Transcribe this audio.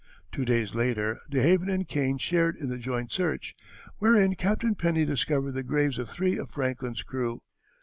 Two days later DeHaven and Kane shared in the joint search, wherein Captain Penny discovered the graves of three of Franklin's crew.